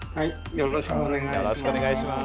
よろしくお願いします。